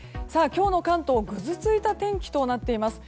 今日の関東ぐずついた天気となっています。